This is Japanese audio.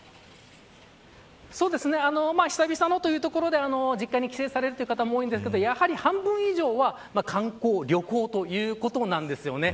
久々のというところで実家に帰省されるという方も多いですがやはり半分以上は観光、旅行ということなんですよね。